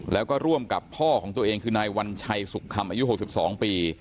แล้วก็ร่วมกับพ่อของตัวเองคือนายวัญชัยสุขคำอายุ๖๒ปี